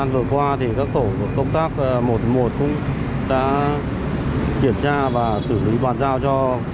vì vi phạm của mình